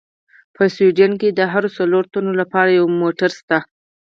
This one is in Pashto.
په سویډن کې د هرو څلورو تنو لپاره یو موټر شته دي.